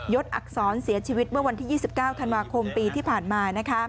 ศอักษรเสียชีวิตเมื่อวันที่๒๙ธันวาคมปีที่ผ่านมา